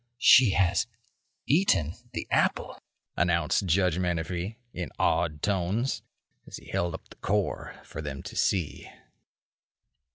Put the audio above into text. "She has eaten the apple," announced Judge Menefee, in awed tones, as he held up the core for them to see.